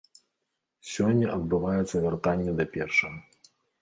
Сёння адбываецца вяртанне да першага.